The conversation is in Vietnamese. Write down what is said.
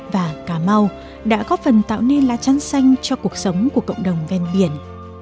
và cà mau đã góp phần tạo nên lá trắng xanh cho cuộc sống của cộng đồng ven biển